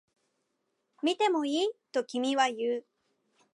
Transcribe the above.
見てもいい？と君は言う